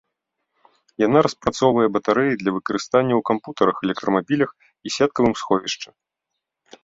Яна распрацоўвае батарэі для выкарыстання ў кампутарах электрамабілях і сеткавым сховішчы.